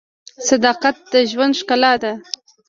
• صداقت د ژوند ښکلا ده.